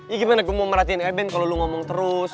ya gimana gue mau merhatiin eben kalau lo ngomong terus